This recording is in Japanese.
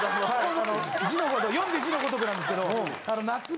読んで字のごとくなんですけど夏場